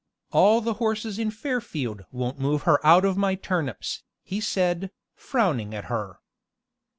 "All the horses in Fairfield won't move her out of my turnips," he said, frowning at her.